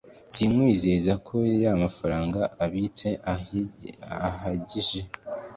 sinkwizeza ko ingano y ‘amafaranga abitse ihagije.